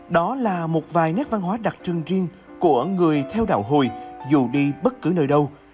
đó là một vài nét văn hóa đặc trưng riêng của người theo đạo hồi dù đi bất cứ nơi đâu